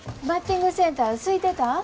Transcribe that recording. バッティングセンターすいてた？